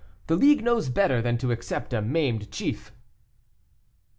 The League knows better than to accept a maimed chief."